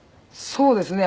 そうですね。